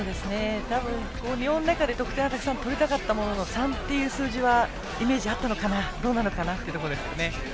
日本の中で取りたかったものの３という数字はイメージがあったのかなどうなのかなというところですね。